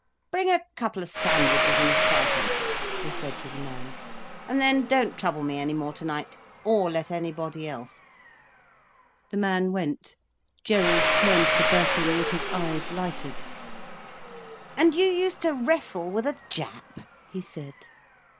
"Bring a couple of sandwiches and a syphon," he said to the man, "and then don't trouble me any more tonight—or let anybody else." The man went. Gerald turned to Birkin with his eyes lighted. "And you used to wrestle with a Jap?" he said.